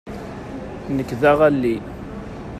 Nekk d aɣalli.